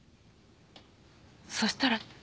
そしたら。